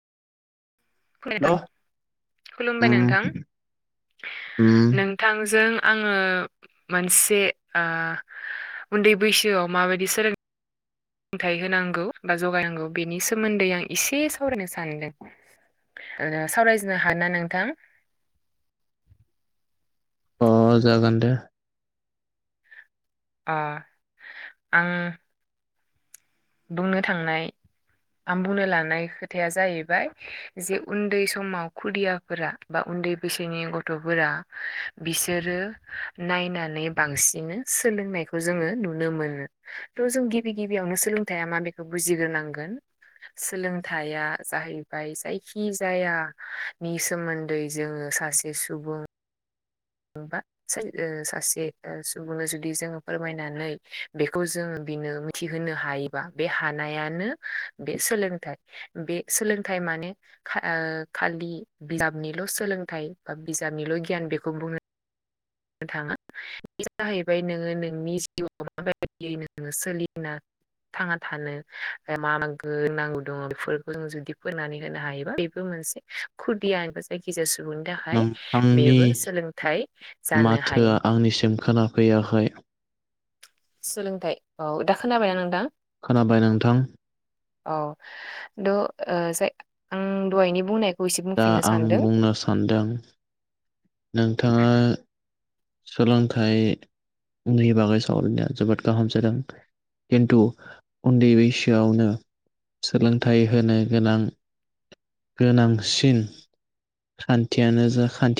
खोनादों हेल' खुलुमबाय उम नोंथां उम अ नों थांजों आङो मोनसे ओ उन्दै बैसोआव माबायदि सोलों थाइ होनांगौ बा जगायनांगौ बेनि सोमोन्दै आं एसे सावरायनो सानदों। सावरायजनो हायो ना नोंथां? अ जागोन दे। अ आं बुंनो थांनाय आं बुंनो लानाय खोथाया जाहैबाय जे उन्दै समाव खुदियाफोरा बा उन्दै बैसोनि गथ'फोरा बिसोरो नायनानै बांसिन सोलोंनायखौ जोङो नुनो मोनो थह जों गिबि गिबियावनो सोलों थायाइा मा बेखौ बुजिग्रोनांगोन। सोलोंथाइया जाहैबाय जायखि जायाानि सोमोन्दै जोङो सासे सुबुं नबा ओ सासे सुबुंनो जुदि जोङो फोरमायनानै बेखौ जोङो बिनो थि होनोनो हायोबा बे हानायानो बे सोलोंथाइ बे सोलोंथाइ माने ओ खालि बिजाबनिल' सोलोंथाइ बा बिजाबनिल' गियान बेखौ बुंङा। नो थाङा बे जाहैबाय नोङो नोंनि जिउआव माबायदियै नोङो सोलिना। थांना थानो मा मा गनांगौ दङ बेफोरखौ जों जुदि फोरनानै होनो हायोबा बेबो मोनसे खुदियाबो जायखिजाया सुबुंनि थाखाय नोंथांनि बेबो सोलोंथाइ जानो हायो। माथोआ आंनिसिम खोनाफैयाखै सोलोंथाइ औ दा खोनाबायना नोंथां? खोनाबायना नोंथां। औ द' ओ जाय आं दहायनि बुंनायख दा आं बुंनो सान्दों नोंथाङा सोलोंथाइ उन्दैनि बागै सावरायनाया जोबोद गाहाम जादों खिन्थु उन्दै बैसोआवनो सोलोंथाइ होनो गोनां गोनांसिन खान्थियानो जा खान्थि